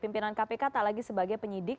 pimpinan kpk tak lagi sebagai penyidik